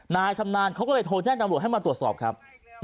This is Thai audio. นายชำนาญเขาก็เลยโทรแจ้งตำรวจให้มาตรวจสอบครับ